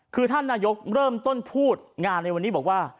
คือท่านนายกเริ่มต้นพูดงานในวันนี้บอกว่า